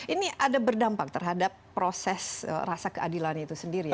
ini ada berdampak terhadap proses rasa keadilan itu sendiri